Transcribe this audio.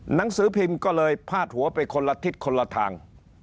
หนังสือพิมพ์ก็เลยพาดหัวไปคนละทิศคนละทาง